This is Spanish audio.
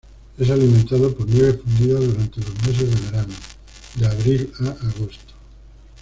Es alimentado por nieve fundida durante los meses de verano, de abril a agosto.